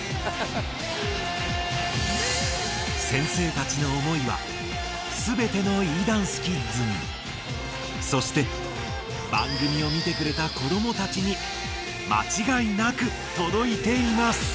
先生たちの思いはすべてのＥダンスキッズにそして番組を見てくれた子どもたちにまちがいなくとどいています！